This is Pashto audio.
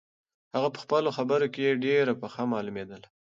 هغه په خپلو خبرو کې ډېره پخه معلومېدله.